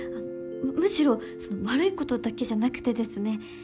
むしろ悪いことだけじゃなくてですね